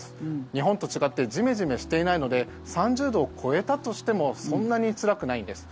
日本と違ってジメジメしていないので３０度を超えたとしてもそんなにつらくないんです。